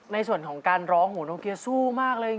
เป็นส่วนของการร้องหัวโนเกียสู้มากเลย